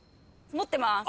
持ってます。